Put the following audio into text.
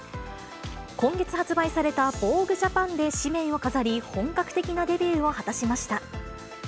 今月発売されたＶＯＧＵＥＪＡＰＡＮで誌面を飾り、本格的なデビューを果たしました。